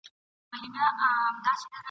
په کاږه نظر چي ګوري زما لیلا ښکلي وطن ته !.